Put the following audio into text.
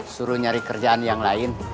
suruh nyari kerjaan yang lain